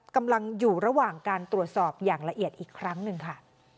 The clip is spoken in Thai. กำลังอยู่ระหว่างการตรวจสอบอย่างละเอียดอีกครั้งหนึ่งค่ะ